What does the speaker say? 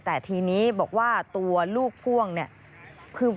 แต่ทีนี้บอกว่าตัวลูกพ่วงเนี่ยคือ